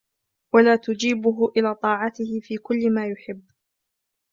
وَلَا تُجِيبُهُ إلَى طَاعَتِهِ فِي كُلِّ مَا يُحِبُّ